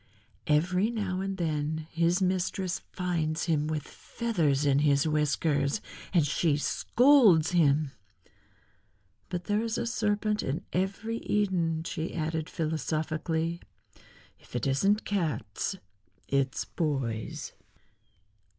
"Every now and then his mistress finds him with feathers in his whiskers, and she scolds him. But there is a serpent in every Eden," she added philosophically; "if it isn't cats it's boys."